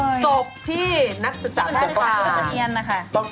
กลับที่นักศึกษาแพทย์กราศาสตร์